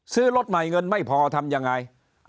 รถใหม่เงินไม่พอทำยังไง